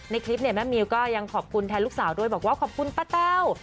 คลิปเนี่ยแม่มิวก็ยังขอบคุณแทนลูกสาวด้วยบอกว่าขอบคุณป้าแต้ว